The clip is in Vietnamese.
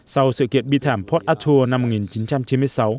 sau sự kiện bi thảm port arthur năm một nghìn chín trăm chín mươi sáu